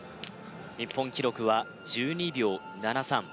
日本記録は１２秒７３